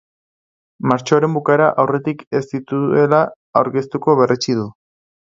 Martxoaren bukaera aurretik ez dituela aurkeztuko berretsi du.